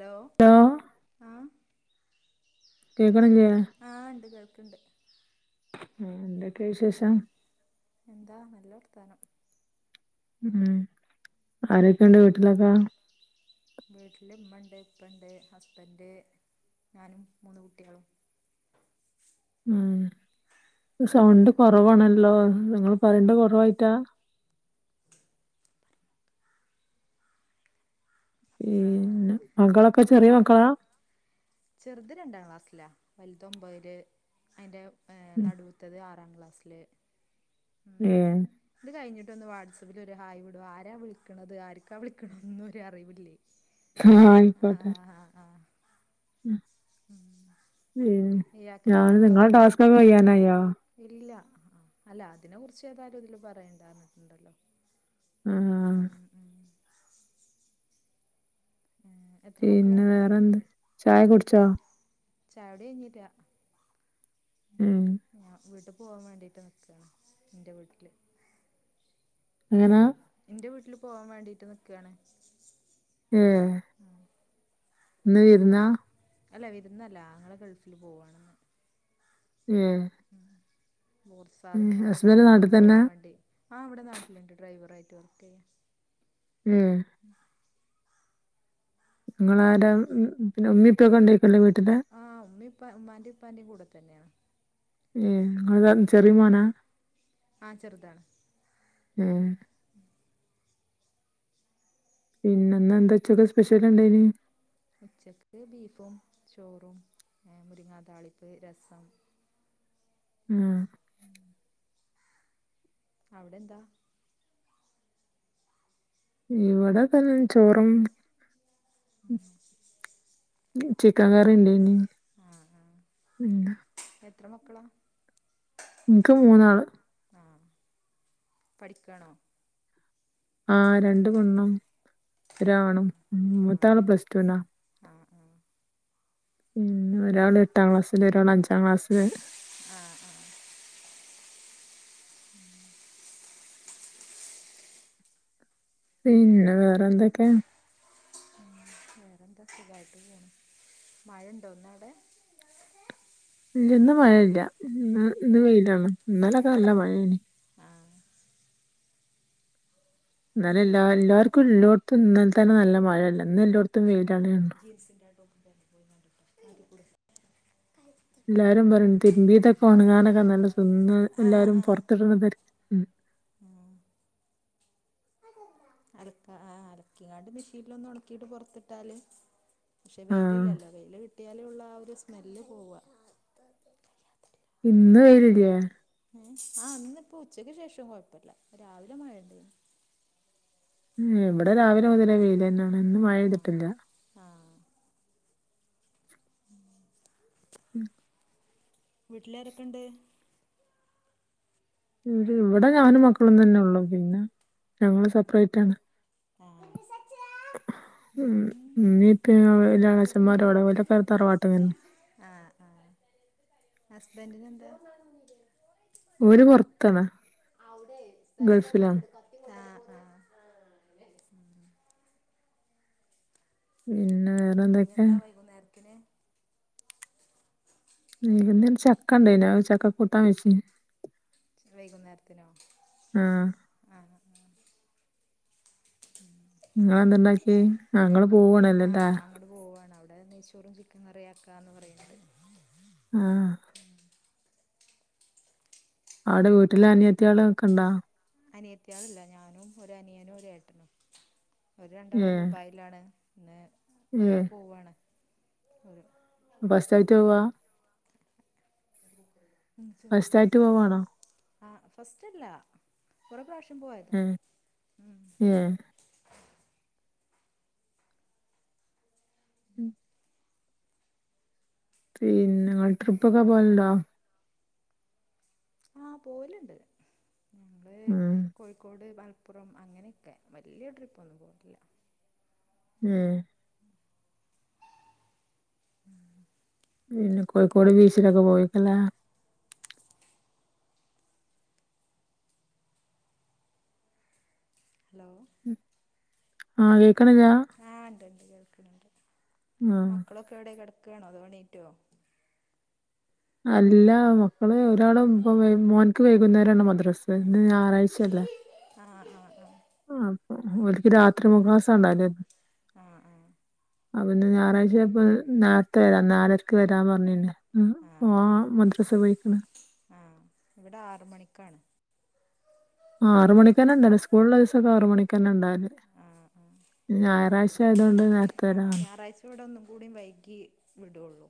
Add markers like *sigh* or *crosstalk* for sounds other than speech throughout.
Law hello ആഹ് കേക്കണില്ലേ ആഹ് ഇണ്ട് കേൾക്ക്ണ്ട് ആഹ് എന്തൊക്കെ വിശേഷം എന്താ നല്ല വർത്താനം ഉം ആരൊക്കെണ്ട് വീട്ടിലൊക്കെ വീട്ടില് ഇമ്മ ഇണ്ട് ഇപ്പ ഉണ്ട് ഹസ്ബൻഡ് ഞാനും മൂന്ന് കുട്ടിയളും അഹ് സൗണ്ട് കുറവാണല്ലോ നിങ്ങൾ പറയ്ണ്ട കുറവ് കുറവായിട്ടാ ആഹ് പിന്നെ മകളൊക്കെ ചെറിയ മക്കളാ ചെറുത് രണ്ടാം ക്ലാസ്സിലാണ് വലുത് ഒമ്പത്തില് അയിൻ്റെ ഏഹ് നടൂത്തത് ആറാം ക്ലാസ്സില് ഏ ഇത് കഴിഞ്ഞിട്ടൊന്ന് വാട്പ്പില് ഒരു ഹായ് വിടോ ആരാ വിളിക്ക്ണത് ആർക്കാ വിളിക്കണതൊന്നും ഒരു അറിവില്ലേ ആഹ് ആഹ് ആയിക്കോട്ടെ ആഹ് ആഹ് ! ! ! ! ! ! ! ! ! ! ഇയാൾക്ക് എത്ര മക്കളാ ഇല്ല ആഹ് അല്ല അതിനെ കുറിച്ച് ഏതായാലും ഇതില് പറയണ്ട പർഞ്ഞിട്ടുണ്ടല്ലോ ആഹ് ഉം ഉം ഏഹ് പിന്നെ വേറെന്ത് ചായ കുടിച്ചോ ചായടി കഴിഞ്ഞീല്ല ഉം ഞാൻ വീട്ട് പോവാൻ വേണ്ടിട്ട് നിക്കാണ് ഇന്റെ വീട്ടില് എങ്ങനാ ഇന്റെ വീട്ടില് പോവാൻ വേണ്ടീട്ട് നിക്കാണ് ഏ ഇന്ന് വിരുന്നാ അല്ല വിരുന്നല്ല ആങ്ങള ഗൾഫിൽ പോവാണ് ന്ന് ഏ ഉം കൊർ സാധനങ്ങളൊക്കെ കൊണ്ട് ഹസ്ബൻഡ് അങ്ങനെ നാട്ടിൽ തന്നെ പോവാൻ വേണ്ടി ആഹ് ഇവിടെ നാട്ടിലിണ്ട് ഡ്രൈവർ ആയിട്ട് വർക്കെയ്യാ ഉം ഉം ങ്ങളാര പിന്നെ ഉമ്മി ഇപ്പൊക്കെ ഉണ്ടക്കല്ലേ വീട്ടില് ആഹ് ഉമ്മീംപ്പ ഉമ്മാന്റെ ഉപ്പാന്റെ കൂടെ തന്നെയാണ് ഏഹ് ഇങ്ങൾ അത ചെറിയ മോനാ ആ ചെറുതാണ് ഏ പിന്നെ ഇന്നെന്താ ഉച്ചക്ക് സ്പെഷ്യൽ ഉണ്ടായ്നെ ഉച്ചക്ക് ബീഫും ചോറും ഏ മുരിങ്ങാ താളിപ്പ് രസം ആഹ് ഉം അവിടെന്താ ഇവിടെതന്നെ ചോറും ആഹ് ചിക്കാൻ കറി ഉണ്ടയ്നി ആ ആ ഉം എത്ര മക്കളാ ഇൻക്ക് മൂന്നാള് ആഹ് പഠിക്കാണോ? ആ രണ്ട് പെണ്ണും ഒരാണും ആ ആ മൂത്ത ആള് പ്ലസ് ടു നാ ആഹ് ആഹ് പിന്നെ ഒരാൾ എട്ടാം ക്ലാസ്സില് ഒരാൾ അഞ്ചാം ക്ലാസ്ല് ആഹ് ആഹ് ഉം പിന്നെ വെറെ എന്തൊക്കെ വെറെ എന്താ സുഖായിട്ട് പോണ് മഴണ്ടോ ഇന്ന് അവടെ ഇല്ല ഇന്ന് മഴല്ല ഇന്ന് ഇന്ന് വെയിലാണ് ഇന്നലൊക്കെ നല്ല ഇന്നലെ മയെനി ആഹ് ഇന്നലെ എല്ലാ എല്ലാർക്കും എല്ലോട്ത്തും ഇന്നൽ ആഹ് തന്നെ നല്ല ഇതിട്ടു മഴല്ല ഇന്ന് എല്ലോട്ത്തും ഷിമോളെ വെയിണ് ജീൻസിന്റെ ട്ടോപ്പും പാന്റും ട് *unintelligible* എല്ലാരും പറയും തിരുമ്പീതൊക്കെ ഒണങ്ങാനൊക്കെ നല്ല സം ആഹ് എല്ലാരും ആഹ് പൊർത്തിട്ണ തെര ഉം അലക്ക ആ അലക്കിങ്ങാണ്ട് മെഷീൻലോന്ന് ഉണക്കിയിട്ട് പൊർത്ത്ട്ടാല് പക്ഷെ ആഹ് വെയിലില്ലല്ലോ വെയില് കിട്ടിയാലെള്ളോ ആ ഒരു സ്മെല്ല് പോവ ഇന്ന് വെയിലില്ലേ എ ആ ഇന്ന് ഇപ്പൊ ഉച്ചക്ക് ശേഷം കുഴപ്പല്ല രാവിലെ മഴ ഇണ്ടേനി ഉം ഇവടെ രാവിലെ മുതലേ വെയിലന്നെണ് ഇന്ന് മഴ ആഹ് പെയ്‌തിട്ടില്ല ആഹ് ഉം വീട്ടിലാരൊക്കെ ഇണ്ട് ഇവടെ ഞാനും മക്കളും തന്നെ ഉള്ളൂ പിന്നെ ഞങ്ങള് സപ്പ്റേറ്റാണ് ആഹ് ഇമ്മീ ഇപ്പി വല്യ എളച്ചന്മാരവിടെ ഓലൊക്കെ തറവാട്ടില ആഹ് ആഹ് ഹസ്ബൻഡ്ന് എന്താ ഓര് പൊർത്താണ് അവ്ടെ സ്ഥലം നന്നാക്ക്ണ്ട് കത്തി കൊണ്ട് ആഹ് ആഹ് പിന്നെ വെ ഇഞ് എന്താ വൈകുന്നേരത്തിന് ചക്ക ഇണ്ടേനി ചക്ക കൂട്ടാൻ വെച്ച് വൈകുന്നേരത്തിനോ ആഹ് ആഹ് ആഹ് ഇങ്ങളെന്താ ആഹ് അങ്ങട്ട് പോവാണ് അവ്ടെ നെയ്‌ ചോറും ചിക്കൻ കറി ആക്കാന്ന് പറീണ്ട് ആഹ് അവ്ടെ വീട്ടില് അനിയത്തിഴളൊക്കെ ഇണ്ടോ അനിയത്തിയള്ല്ല ഞാനും ഒരു അനിയനും ഒരു ഏട്ടനും ഓര് രണ്ടാളും ഏഹ് ദുബായി ലാണ് ഇന്ന് ഏഹ് ഒരാള് പോവാണ് ഒരു ഫസ്റ്റായിട്ട് പോവാ മം ചെറുത് ഫസ്റ്റായിട്ട് പോവാണോ ആ ഫസ്റ്റല്ല കൊറെ പ്രാവശ്യം പോയതാ ഏഹ് ഉം ഏഹ് ഉം പിന്നെ ങ്ങള് ട്രിപ്പൊക്കെ പോവല് ണ്ടോ ആ പോവല്ണ്ട് ഞങ്ങൾ ഉം കോഴിക്കോട് മ പ്പുറം അങ്ങനെയൊക്കെ വല്യ ട്ട്രിപ്പൊന്നും പോവൽല്ല ഉം ഉം പിന്നെ കോഴിക്കോട് ബീചിലൊക്കെ പോയിക്ക്ലെ ഹലോ ആഹ് കേക്ക്ണില്ലാ ആഹ് ഉണ്ട് ണ്ട് കേൾക്കുന്നുണ്ട്. ആഹ് മക്കളൊക്കെ എവിടെ കെടക്കണോ അതോ എണീറ്റോ? അല്ല മക്കള് ഒരാളും ഒമ്പേ മോൻക്ക് വൈകുന്നേരാണ് മദ്രസ് ഇന്ന് ഞായറാഴ്ച അല്ലേ. ആഹ് ആ ആ ആഹ് അപ്പൊ ഒൽക്ക് രാത്രി മൂ ക്ലാസ്സ ഉണ്ടാകല് ആഹ് ആഹ് അപ്പൊ ഇന്ന് ഞായറാഴ്ചആയപ്പം നേരത്തെ വരാം നാലരക്ക് വരാന്ന് പറഞ്ഞിര് ന്ന് ആഹ് ആ ആഹ് മദ്രസ പോയിക്ണ് ആഹ് ഇവിടെ ആറ്മണിക്കാണ്. ആറ് മണിക്കന്നെണ്ടാവല് സ്കൂളുള്ള ദിവസൊക്ക ആറ മണിക്കക്ക് ക്കെണ് ഇണ്ടാവൽ ആഹ് ഞായറാഴ്ച ആയത് കൊണ്ട് ആ ഞായറാഴ്ച ഇവിടെ ഒന്നും കൂടി വൈകി വിടോള്ളൂ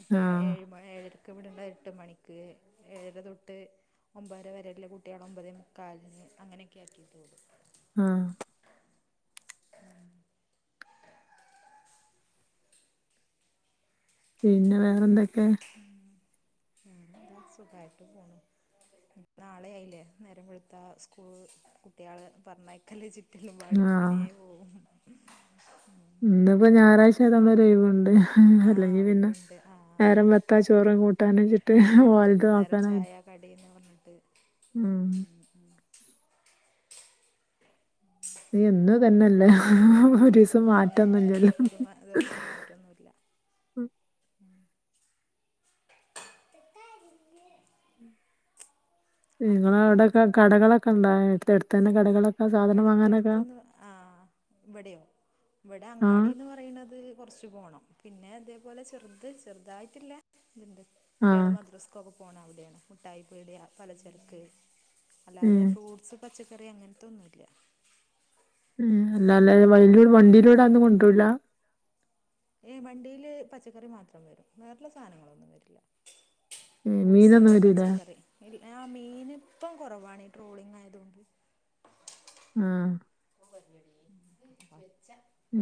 അപ്പൊ ആഹ് ഏഴ് ഏഴ രക്ക് വിടേണ്ടിയത് എട്ട് മണിക്ക് ഏഴര തൊട്ട് ഒമ്പതര വരെയുള്ള കുട്ടികൾ ഒമ്പത് മുക്കാലിന് അങ്ങനെയൊക്കെ ആക്കിയിട്ടുള്ളു. ആഹ്. പിന്നെ വേറെന്തൊക്കെ? അ സുഖായിട്ട് പോണു നാളെ ആയില്ലേ. നേരം വെള്ത്താ സ്കൂൾ കുട്ട്യേള് പറഞ്ഞയക്കല്ലേ ചി ട്ടിലമ്പാടും അങ്ങനെ ആഹ് പോകും ഇന്ന്പ്പം ഞായറാഴ്ച *unintelligible* ഓയ്‌വ്ണ്ട് ആഹ് അല്ലെങ്കി പിന്നെ ഒഴിവുണ്ട് ആഹ് നേരം വെളുത്താ ചോറും കൂട്ടാനും വെച്ചിട്ട് ഓല്ത് നോക്കാനും കടെന്ന് പറഞ്ഞിട്ട് എന്നും ഇന്നെയല്ലേ ഒരു ആഹ് ദിവസം അത് മാറ്റൊന്നുംലല്ലോ റ്റൊന്നുല്ല എട്ട *unintelligible* നിങ്ങടെഅവിടെക്കെ കൊഴപ്പല്ല കടകളൊക്കെ ഇണ്ടാ അട്ത്തട്ത്ത് തന്നെ കടകളൊക്കെ സാധനം വാങ്ങാനൊക്കെ എടുത്തടുത്ത്ന്ന് ആ ഇവിടെയോ ഇവിടെ ആഹ് അങ്ങാടിന്ന് പറയ്ണന്ത് കുറച് പോണം. പിന്നെ അതേപോലെ ചെറുത് ചെറുതായിട്ട്ല്ല ഇതുണ്ട് കുട്ടികള് ആഹ് മദ്രസ്ക്ക് ഒക്കെ പോണം അവിടെയാണ് മുട്ടായിപ്പീടിയാ, പലചരക്ക് അല്ലാതെ ഏഹ് ഫ്രൂട്ട്സ് പച്ചക്കറി അങ്ങനത്തൊന്നും ഇല്ല അല്ലണ്ട് *unintelligible* വണ്ടിയിലൂടെ അതോന്നും കൊണ്ടരൂല ഏയ് വണ്ടിയില് പച്ചക്കറി മാത്രം വരും. വേറെള്ള സാധനങ്ങളൊന്നും വെര്ലാ മീനൊന്നും ഗുഡ്സിലര് വരൂലേ പച്ചക്കറി ആ മീന് ഇപ്പം കുറവാണ് ട്രോളിങ് ആയതുകൊണ്ട് ആഹ് *unintelligible*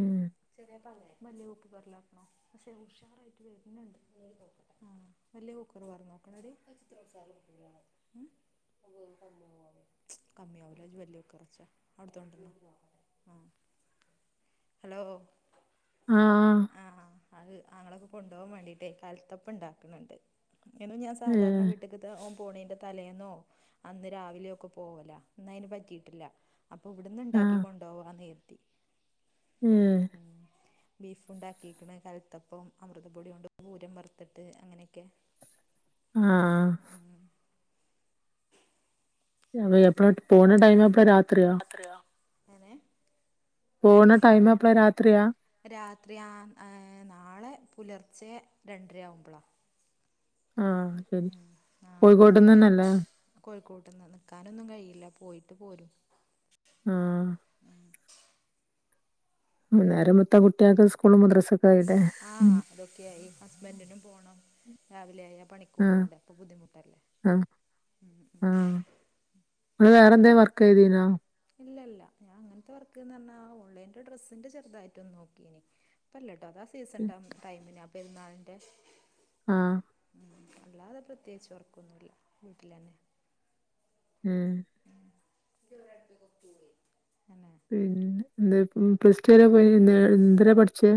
ഏഹ് ഉഷാറായിട്ട് വരുന്നുണ്ട് *unintelligible* കമ്മിയ ആവൂല വല്ല്യ കുക്കാ റച്ചാ അവിടത്തൊണ്ടല്ലോ ആഹ് ഹലോ ആഹ് ആ അത് അങ്ങളക് കൊണ്ടോവാൻ വേണ്ടീട്ട് കൽത്തപ്പം ഉണ്ടാക്ക്ണ് ണ്ട് ന്നും ഞാൻ ഏ സാധാരണ വീട്ടക്ക് പോ ഓൻ പോണേന്റെ തലേന്നോ അന്ന് രാവിലെയൊ ഒക്കെ പോവലാ ഇന്ന് അയിന് പറ്റിയിട്ടില്ല അപ്പൊ ഇവിട്ന്ന് ആ ഇണ്ടാക്കി കൊണ്ടോവാന്ന്ര്ത്തി മം ഉമം ബീഫ്ണ്ടാക്കിക്ണ് കൽത്തപ്പം അമൃതപ്പൊടിയൊണ്ട് പൂരം വറുത്തിട്ട് അങ്ങനെയൊക്കെ ആഹ് അ എപ്പഴ പോണ ടൈം എപ്പാ രാത്രിയാ എങ്ങനെ പോണ ടൈം എപ്പഴാ രാത്രിയാ രാത്രി ആ നാളെ പുലർച്ചെ രണ്ടര ആവുമ്പോളാ ആഹ ശരി കോഴിക്കോട്ടന്ന്ന്നല്ലേ കോഴിക്കോട്ട് നിന്ന് നിൽക്കാനൊന്നും കഴിയില്ല പോയിട്ട് പോരും ആഹ വൈന്നേരം മൊത്ത കുട്ടിയാക്ക് സ്കൂള് മുദ്രസെ ആഹ അതൊക്കെയായി ഹസ്ബൻഡിനും പോണം രാവിലെ ആയ പണിക്കും ആ പോണ്ടേ അപ്പൊ ബുദ്ധിമുട്ടല്ലേ ആ ഉം ഉം ആ ഇങ്ങള് വേറെന്തേ വർക്ക് ചെയ്തീനാ ഇല്ല ഇല്ല ഞാൻ അങ്ങനത്തെ വർക്ക്ന്ന് പറഞ്ഞാ ഓൺലൈൻ ഡ്രസ്സിന്റെ ചെറുതായിട്ടൊ ഒന്ന് നോക്കീനി ഇപ്പല്ലട്ടോ അതാ സീസൺ ടൈമിന് ആ പെരുന്നാളിന്റെ ആഹ ഉം അല്ലാതെ പ്രത്യേകിച്ച് വർക്കൊന്നുമില്ല വീട്ടിൽ തന്നെ ഉം ഉം തന്നെ പിന്നെ എന്താ പ്ലസ്ടു വരെ പോയി എന്തിനാ പഠിച്ചേ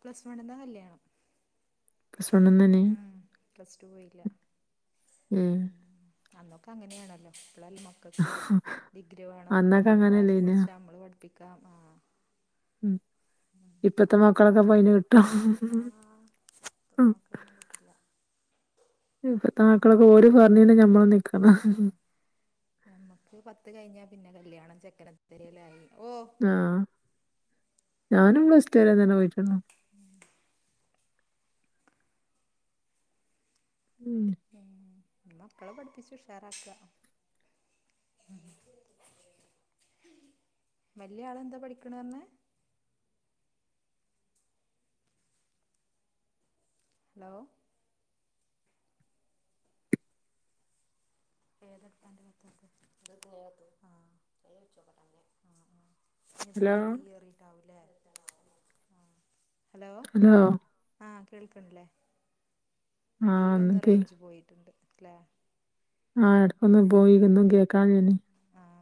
പ്ലസ് വൺ ന്നാ കല്യാണം പ്ലസ് വൺ ന്ന് ഏനീ ഉം പ്ലസ് ടു പോയില്ല ഏ അന്നൊക്കെ അങ്ങനെയാണല്ലോ ഇപ്പളെല്ലേ മക്കക്ക് ഡിഗ്രി വേണം എന്നൊക്കെ അന്നൊക്കെ പറഞ്ഞ വാശി അങ്ങനെയല്ലേനോ പിടിച്ച നമ്മള് പഠിപ്പിക്കാം ആ ഉം ഉ ഇപ്പത്തെ അന്നട്ടേ മക്കളൊക്കെ അപ്പ അയിന് കിട്ടും ആഹ് ആ ഇപ്പത്തെ മക്കളൊന്നും കിട്ടില്ല ഇപ്പത്തെ മക്കളൊക്കെ ഞമ്മക്ക് ഒരു പറഞ്ഞന്ന് ഞമ്മള് ആ നിക്കണം ഞമ്മക്ക് പത്ത് കഴിഞ്ഞ പിന്നെ കല്യാണം ചെക്കനെ തെരയലായി ഓ ആഹ ഞാനും പ്ലസ് ടു വരെ തന്നെ പോയിട്ടൊള്ളൂ ഉം ഉം ഉം മക്കളെ പഠിപ്പിച്ചു ഉഷാറാക്ക വല്യ ആള് ന്താ പഠിക്കണ് പറഞ്ഞെ ഹലോ ഫേത് പാൻറ് പത്തത്ത് ഇത്തു ആ ചൈ വെച്ചോക്കെട്ടെന്നെ ആ ആ ഇ ഹലോ ഇതിന്റെ തീയറിട്ടാവല്ലേ ആ ഹലോ ആ കേൾക്കണല്ലേ ആഹ് എടിയില് ഒന്ന് ഒന്നൊക്കെ റേഞ്ച് പോയിട്ടുണ്ട് അല്ലേ ആ് എടക്കൊന്ന് പോയി ഒന്നും കേക്കാൻ ആഹ് ഇല്ലേർന്ന് ആഹ്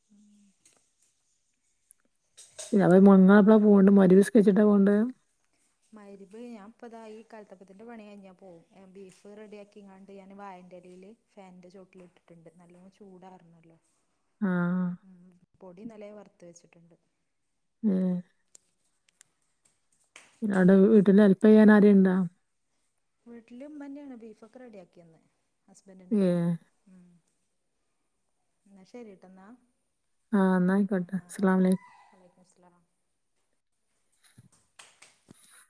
ഉം പിന്നെ മങ്ങങ്ങളപ്പള പോണ്ട് മയിരിബ് നിസ്കരിച്ചിട്ടാ പോണ്ട് മഹ്‌രിബ് ഞാൻപ്പതാ ഈ കൽത്തപ്പത്തിന്റെ പണി കഴിഞ്ഞാ പോവും ബീഫ് റെഡിയാക്കി ക്കിങ്ങാണ്ട് ഞാന് വായന്റെലയില് ഫാന്റെ ചോട്ടില് ഇട്ടിട്ടുണ്ട് നല്ലോ ചൂടാറണല്ലോ ആഹ് ഉ പൊടി ഇന്നലേ വറുത്ത് വെച്ചിട്ടുണ്ട് ഉം അവിടെ വീട്ടില് ഹെല്പ്പ് ചെയ്യാൻ ആരേം ഇണ്ട വീട്ടില് ഉമ്മന്നെയാണ് ബീഫൊക്കെ റെഡിയാക്കിയന്ന് ഹസ്ബൻറിന്റെ ഉമ്മ ഏഹ് ഉം ഇന്നാ ശരിട്ടാ ഇന്നാ ആഹ് എന്നാ ആഹ് ആയിക്കോട്ടെ ആഹ് അസ്സലാമു അലൈക്കും ആഹ് വലൈക്കും സ്ലാം